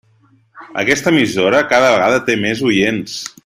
Aquesta emissora cada vegada té més oients.